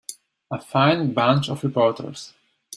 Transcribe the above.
A fine bunch of reporters.